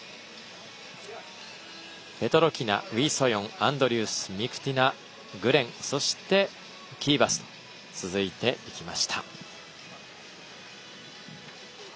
ペトロキナ、ウィ・ソヨンアンドリュース、ミクティナグレン、そしてキーバスと続いていきました。